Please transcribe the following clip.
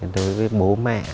đối với bố mẹ